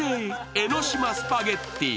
江の島スパゲッティ。